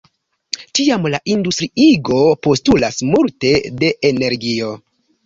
Tiam la industriigo postulas multe de energio.